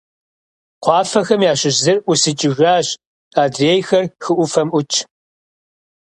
Кхъуафэхэм ящыщ зыр ӀусыкӀыжащ, адрейхэр хы Ӏуфэм Ӏутщ.